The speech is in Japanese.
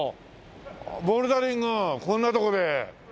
ボルダリングこんなとこで。